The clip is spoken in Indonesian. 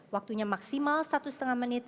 waktunya maksimal satu lima menit